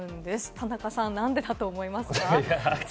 田中さん、なんでだと思いますか？